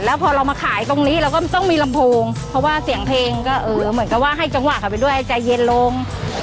แล้วพอเรามาขายตรงนี้เราก็ต้องมีลำโพงเพราะว่าเสียงเพลงก็เออเหมือนกับว่าให้จังหวะเขาไปด้วยให้ใจเย็นลง